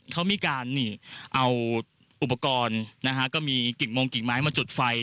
เขามีการเอาอุปกรณ์นะฮะก็มีกิ่งมงกิ่งไม้มาจุดไฟ